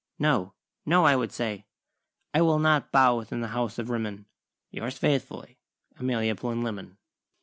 'No, no,' I would say, "'I will not bow within the House of Rimmon: Yours faithfully, Amelia Plinlimmon.'"